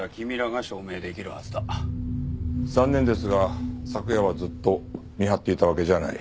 残念ですが昨夜はずっと見張っていたわけじゃない。